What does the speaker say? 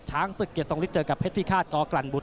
ช้างศึกเกียรติทรงฤทธิ์เจอกับเพชรพิฆาตกรกรรมบุตร